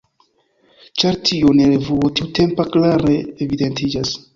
Ĉar tio en revuo tiutempa klare evidentiĝas.